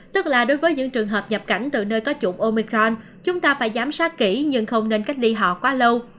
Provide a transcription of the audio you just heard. tức là đối với những trường hợp nhập cảnh từ nơi có chủng omicron chúng ta phải giám sát kỹ nhưng không nên cách ly họ quá lâu